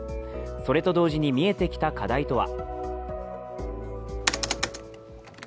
それと同時に見えてきた課題とは。